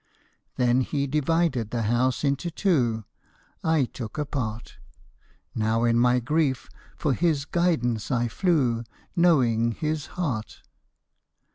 Then he divided the house into two — I took a part. Now in my grief for his guidance I flew. Knowing his heart.